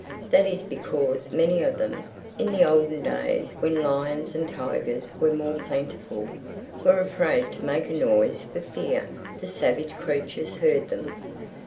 That is because many of them, in the olden days when lions and tigers were more plentiful, were afraid to make a noise for fear the savage creatures heard them.